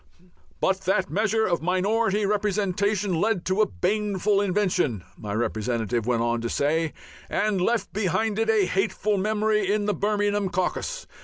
"But that measure of minority representation led to a baneful invention," my representative went on to say, "and left behind it a hateful memory in the Birmingham caucus.